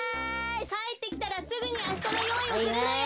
・かえってきたらすぐにあしたのよういをするのよ！